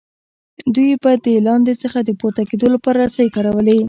دوی به له لاندې څخه د پورته کیدو لپاره رسۍ کارولې.